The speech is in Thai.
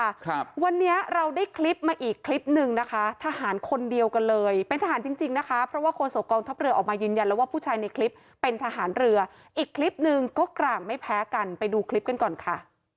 ครับวันนี้เราได้คลิปมาอีกคลิปหนึ่งนะคะทหารคนเดียวกันเลยเป็นทหารจริงจริงนะคะเพราะว่าโฆษกองทัพเรือออกมายืนยันแล้วว่าผู้ชายในคลิปเป็นทหารเรืออีกคลิปหนึ่งก็กร่างไม่แพ้กันไปดูคลิปกันก่อนค่ะ